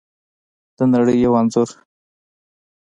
د نړۍ یو انځور